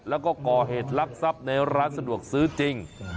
แล้วก็ก่อเหตุลักษัพในร้านสะดวกซื้อจริง